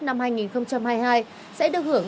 năm hai nghìn hai mươi hai sẽ được hưởng